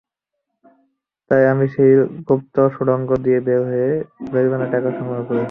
তাই আমি সেই গুপ্ত সুড়ঙ্গ দিয়ে বের হয়ে জরিমানার টাকা সংগ্রহ করছি।